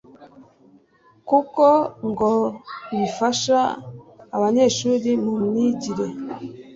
kuko ngo bifasha abanyeshuri mu myigire